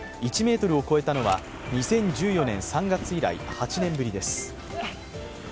１ｍを越えたのは２０１４年３月以来８年ぶりです。